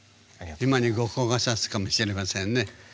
今に後光がさすかもしれませんね。